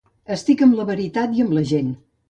Estic amb la veritat i amb la gent.